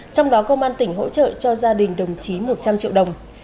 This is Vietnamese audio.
trong đó công an tỉnh hỗ trợ cho gia đình đồng chí một trăm linh triệu đồng